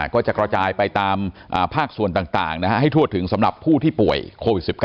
ก็จะกระจายไปตามภาคส่วนต่างให้ทั่วถึงสำหรับผู้ที่ป่วยโควิด๑๙